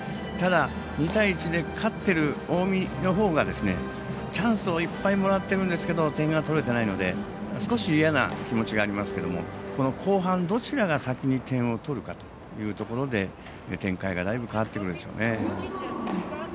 ただ、２対１で勝ってる近江のほうが、チャンスをいっぱいもらってるんですけど点が取れてないので少し嫌な気持ちがありますけどこの後半、どちらが先に点を取るかというところで展開がだいぶ変わってくるんですね。